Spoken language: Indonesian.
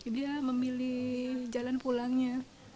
dia memilih jalan pulangnya